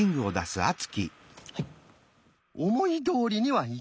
はい。